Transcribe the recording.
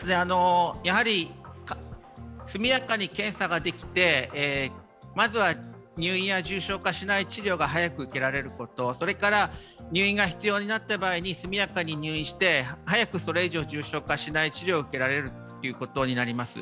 速やかに検査ができて、まずは入院や重症化しない治療が早く受けられること、それから入院が必要になった場合に速やかに入院して早くそれ以上重症化しない治療を受けられるか。